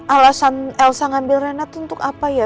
alasan elsa ngambil renat itu untuk apa ya